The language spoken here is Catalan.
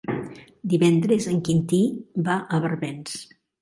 Divendres en Quintí va a Barbens.